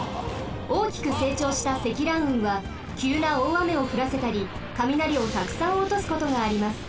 おおきくせいちょうした積乱雲はきゅうなおおあめをふらせたりかみなりをたくさんおとすことがあります。